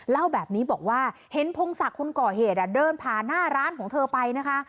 เล่าแบบนี้บอกว่าเห็นพงศักดิ์คนก่อเหตุเดินผ่านหน้าร้านของเธอไปนะคะ